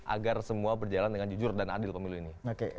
agar semua berjalan dengan jujur dan adil pemilu ini